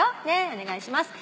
お願いします。